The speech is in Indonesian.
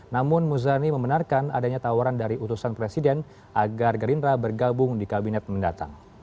namun muzani membenarkan adanya tawaran dari utusan presiden agar gerindra bergabung di kabinet mendatang